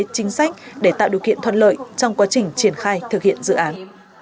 chính sách để tạo điều kiện thuận lợi trong quá trình triển khai thực hiện dự án